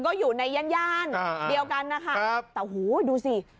ก็อยู่ในย่อนเดียวกันนะคะขอบคุณครับแต่ฮูดูสิ